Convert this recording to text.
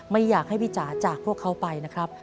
ไม่อยากให้พี่จ๋าจากพวกเขาไปนะครับ